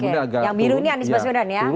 yang biru ini anies waswedan ya